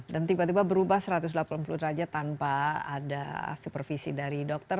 dan tiba tiba berubah satu ratus delapan puluh derajat tanpa ada supervisi dari dokter